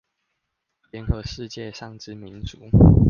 聯合世界上之民族